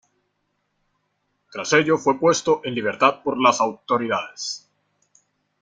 Tras ello fue puesto en libertad por las autoridades.